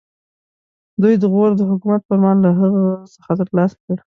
دوی د غور د حکومت فرمان له هغه څخه ترلاسه کړ.